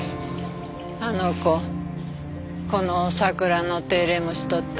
あの子この桜の手入れもしとった。